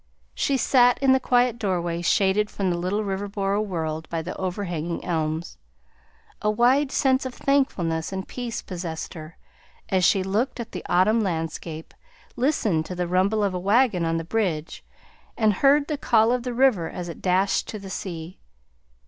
She sat in the quiet doorway, shaded from the little Riverboro world by the overhanging elms. A wide sense of thankfulness and peace possessed her, as she looked at the autumn landscape, listened to the rumble of a wagon on the bridge, and heard the call of the river as it dashed to the sea.